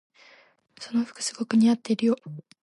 その服すごく似合ってるよ。